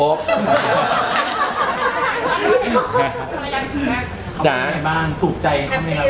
ขอบคุณให้บ้านถูกใจครับ